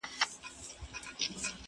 • حقيقت د وخت په تېرېدو کم نه کيږي,